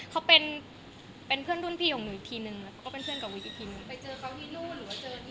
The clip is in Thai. เขาเป็นเพื่อนรุ่นพี่ของหนูอีกทีหนึ่งแล้วก็เป็นเพื่อนกันอีกทีหนึ่ง